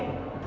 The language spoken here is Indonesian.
div udah deh